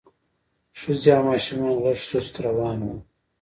ښځې او ماشومان لږ سست روان وو.